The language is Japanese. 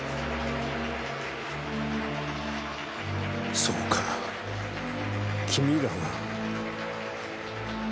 そうか君らが。